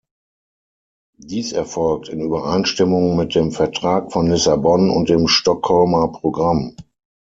Dies erfolgt in Übereinstimmung mit dem Vertrag von Lissabon und dem Stockholmer Programm.